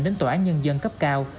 đến tòa án nhân dân cấp cao